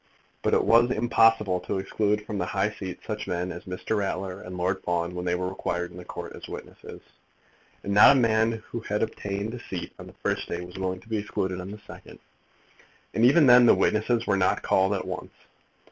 But it was impossible to exclude from the high seat such men as Mr. Ratler and Lord Fawn when they were required in the Court as witnesses; and not a man who had obtained a seat on the first day was willing to be excluded on the second. And even then the witnesses were not called at once.